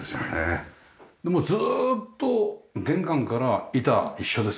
もうずーっと玄関から板一緒ですか？